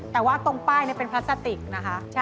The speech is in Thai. แต่ว่าตรงป้ายเป็นพลาสติกนะคะ